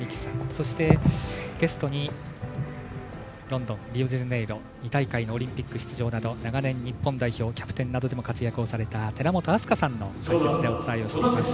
そして、ゲストにロンドン、リオデジャネイロ２大会のオリンピック出場など長年、日本代表キャプテンなどでも活躍をされた寺本明日香さんの解説でお伝えしています。